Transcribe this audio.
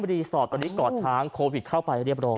รีสอร์ทตอนนี้ก่อช้างโควิดเข้าไปเรียบร้อย